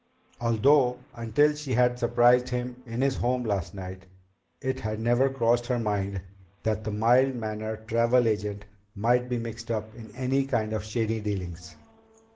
Although until she had surprised him in his home last night, it had never crossed her mind that the mild mannered travel agent might be mixed up in any kind of shady dealings.